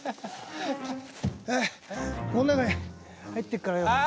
ああこの中に入ってるからよ。